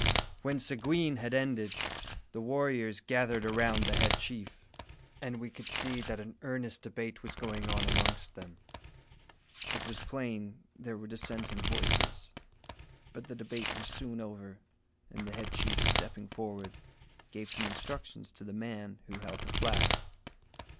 When Seguin had ended, the warriors gathered around the head chief, and we could see that an earnest debate was going on amongst them. It was plain there were dissenting voices; but the debate was soon over, and the head chief, stepping forward, gave some instructions to the man who held the flag.